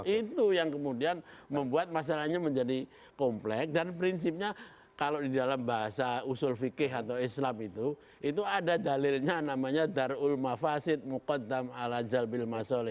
itu yang kemudian membuat masalahnya menjadi komplek dan prinsipnya kalau di dalam bahasa usul fikih atau islam itu itu ada dalilnya namanya darul mafasid mukoddam al ajalbil masoleh